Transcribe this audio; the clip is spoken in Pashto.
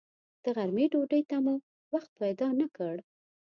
د غرمې ډوډۍ ته مو وخت پیدا نه کړ.